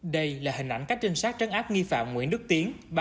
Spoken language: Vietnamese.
đây là hình ảnh các trinh sát trấn áp nghi phạm nguyễn đức tiến